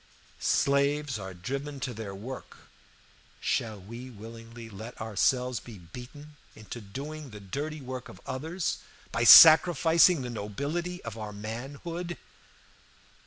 Slaves are driven to their work; shall we willingly let ourselves be beaten into doing the dirty work of others by sacrificing the nobility of our manhood?